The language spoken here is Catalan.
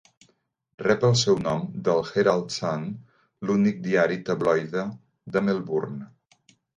Rep el seu nom del "Herald Sun", l'únic diari tabloide de Melbourne.